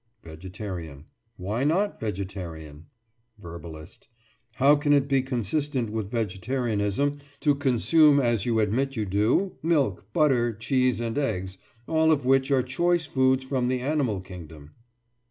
VEGETARIAN: Why not "vegetarian"? VERBALIST: How can it be consistent with vegetarianism to consume, as you admit you do, milk, butter, cheese, and eggs, all of which are choice foods from the animal kingdom?